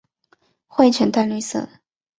喙呈淡绿色。